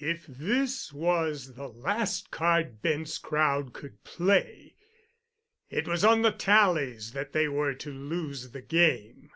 If this was the last card Bent's crowd could play, it was on the tallies that they were to lose the game.